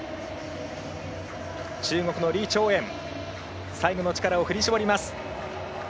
中国の李朝燕最後の力を振り絞ります。